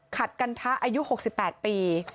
กันทะอายุ๖๘ปี